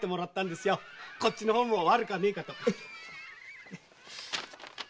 こっちの方も悪かあねえかと。